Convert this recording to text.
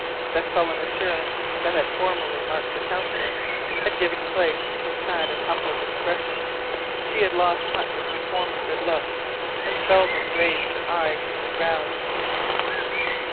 The sullen assurance that had formerly marked her countenance, had given place to a sad and humbled expression. She had lost much of her former good looks, and seldom raised her eyes from the ground.